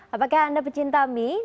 apakah anda pecinta mie